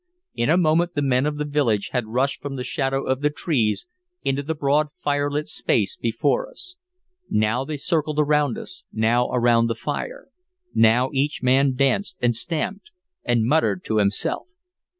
In a moment the men of the village had rushed from the shadow of the trees into the broad, firelit space before us. Now they circled around us, now around the fire; now each man danced and stamped and muttered to himself.